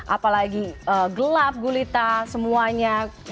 apalagi gelap gulita semuanya